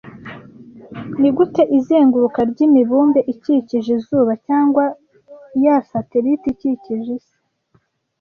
Nigute izenguruka ry'imibumbe ikikije izuba, cyangwa ya satelite ikikije Isi,